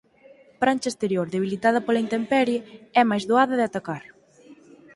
prancha exterior, debilitada pola intemperie, é máis doada de atacar.